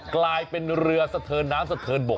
กลายเป็นเรือสะเทินน้ำสะเทินบก